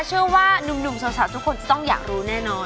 เชื่อว่านุ่มสาวทุกคนจะต้องอยากรู้แน่นอน